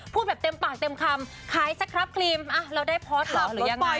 พูดแบบเต็มปากเต็มคำขายสครับครีมเราได้พอทำหรือปล่อย